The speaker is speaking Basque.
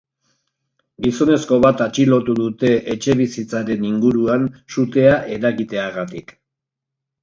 Gizonezko bat atxilotu dute etxebizitzaren inguruan, sutea eragiteagatik.